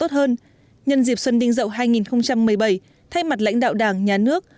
tốt hơn nhân dịp xuân đinh dậu hai nghìn một mươi bảy thay mặt lãnh đạo đảng nhà nước